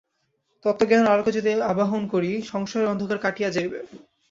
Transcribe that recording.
তত্ত্বজ্ঞানের আলোকে যদি আবাহন করি, সংশয়ের অন্ধকার কাটিয়া যাইবে।